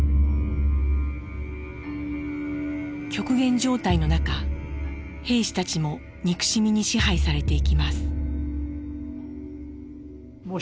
極限状態の中兵士たちも憎しみに支配されていきます。